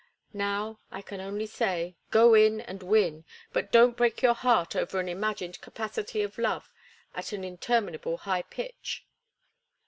Now, I can only say, go in and win, but don't break your heart over an imagined capacity for love at an interminable high pitch."